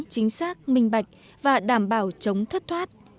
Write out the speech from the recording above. chính xác minh bạch và đảm bảo chống thất thoát